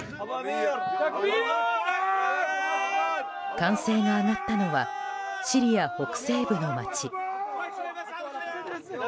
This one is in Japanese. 歓声が上がったのはシリア北西部の街。